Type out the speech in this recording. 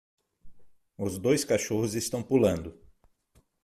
Os dois cachorros estão pulando.